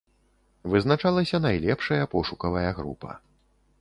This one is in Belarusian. Вызначалася найлепшая пошукавая група.